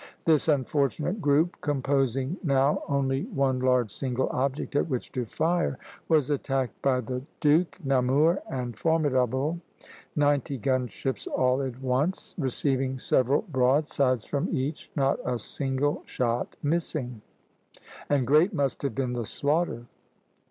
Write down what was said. This unfortunate group, composing now only one large single object at which to fire, was attacked by the "Duke," "Namur," and "Formidable" (ninety gun ships) all at once, receiving several broadsides from each, not a single shot missing; and great must have been the slaughter."